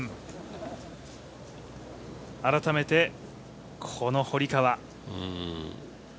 改めて、この堀川。